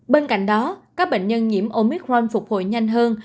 bên cạnh đó các bệnh nhân nhiễm omicron phục hồi nhanh hơn